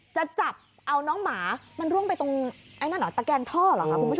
จะจับเอาน้องหมามันร่วงไปตรงไอ้นั่นเหรอตะแกงท่อเหรอคะคุณผู้ชม